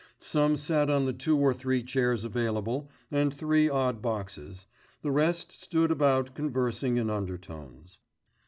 Some sat on the two or three chairs available and three odd boxes, the rest stood about conversing in undertones.